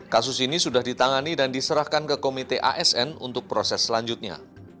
kasus ini sudah ditangani dan diserahkan ke komite asn untuk proses selanjutnya